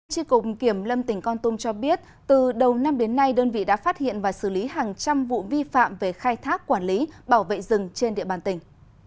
tri cục kiểm lâm tỉnh con tum cho biết từ đầu năm đến nay đơn vị đã phát hiện và xử lý hàng trăm vụ vi phạm về khai thác quản lý bảo vệ rừng trên địa bàn tỉnh